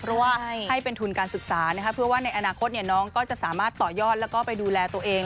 เพราะว่าให้เป็นทุนการศึกษาเพื่อว่าในอนาคตน้องก็จะสามารถต่อยอดแล้วก็ไปดูแลตัวเอง